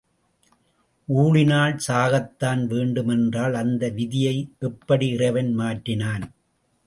ஊழினால் சாகத்தான் வேண்டுமென்றால், அந்த விதியை எப்படி இறைவன் மாற்றினான்?